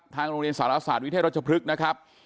ทางโรงเรียนศาลาศาสตร์วิทยารัชพฤษนะครับ